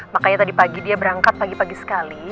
makanya tadi pagi dia berangkat pagi pagi sekali